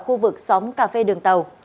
khu vực xóm cà phê đường tàu